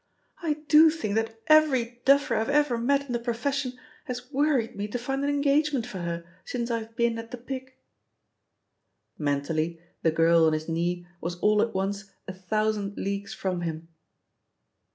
I do think that every duffer IVe ever met in the profession has wor^ ried me to fiind an engagement for her since IVe been at the Pic !'* Mentally the girl on his knee was all at once a thousand leagues from him.